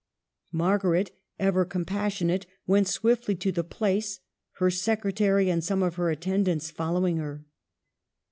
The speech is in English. Margaret, ever compassionate, went swiftly to the place, her secretary and some of her attendants following her.